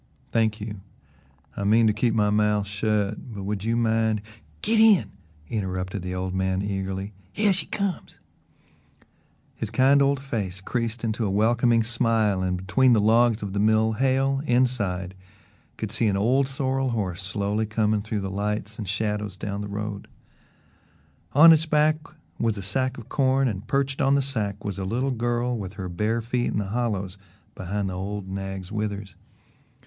"Thank you, I mean to keep my mouth shut, but would you mind " "Git in!" interrupted the old man eagerly. "Hyeh she comes." His kind old face creased into a welcoming smile, and between the logs of the mill Hale, inside, could see an old sorrel horse slowly coming through the lights and shadows down the road. On its back was a sack of corn and perched on the sack was a little girl with her bare feet in the hollows behind the old nag's withers.